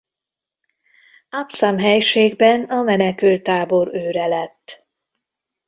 Absam helységben a menekülttábor őre lett.